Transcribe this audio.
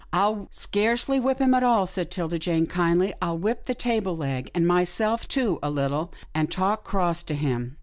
" I'll scarcely whip him at all," said 'Tilda Jane, kindly. " I'll whip the table leg, and myself too a little, and talk cross to him.